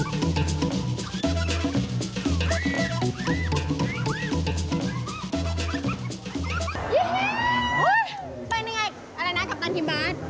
เป็นอย่างไรไหมแต่ละนะคัปตันที่นัด